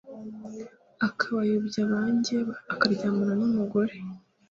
akabayobya banjye akaryamana n umugore